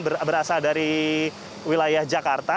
sementara empat an berasal dari wilayah jakarta